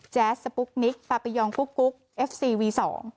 แสสปุ๊กนิกปาปิยองกุ๊กเอฟซีวี๒